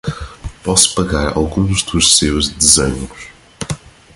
Posso pegar alguns dos seus desenhos?